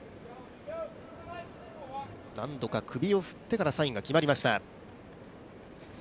何度か首を振ってからサインが決まりました。